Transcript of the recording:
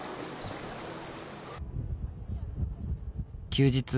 休日